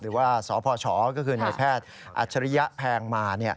หรือว่าสพชก็คือในแพทย์อัจฉริยะแพงมา